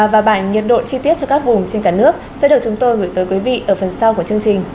và bản nhiệt độ chi tiết cho các vùng trên cả nước sẽ được chúng tôi gửi tới quý vị ở phần sau của chương trình